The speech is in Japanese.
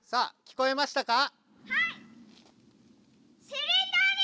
しりとり！